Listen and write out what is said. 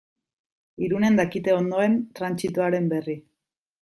Irunen dakite ondoen trantsitoaren berri.